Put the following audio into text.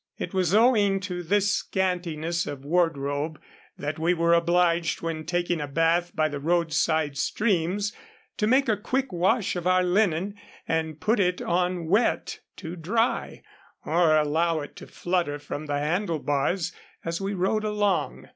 It was owing to this scantiness of wardrobe that we were obliged when taking a bath by the roadside streams to make a quick wash of our linen, and put it on wet to dry, or allow it to flutter from the handle bars as we rode along.